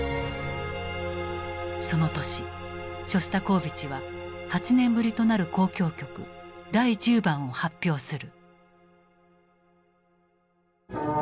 その年ショスタコーヴィチは８年ぶりとなる「交響曲第１０番」を発表する。